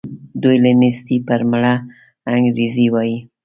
دوی له نېستي پر مړه انګرېږي وايي.